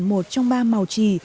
một trong ba màu chỉ